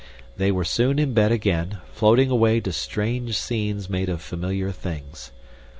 They were soon in bed again, floating away to strange scenes made of familiar things.